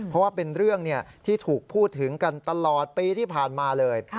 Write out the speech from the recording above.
เพราะว่าเป็นเรื่องที่ถูกพูดถึงกันตลอดปีที่ผ่านมาเลย